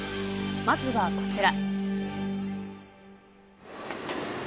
まずはこちら。